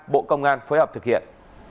bộ công an phối hợp thực hiện